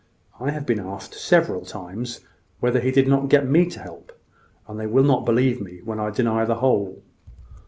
I have been asked several times whether he did not get me to help him: and they will not believe me when I deny the whole."